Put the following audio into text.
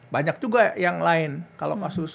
banyak juga yang lain kalau kasus